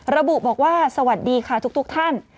ระบุบอกว่าสวัสดีค่ะทุกท่าน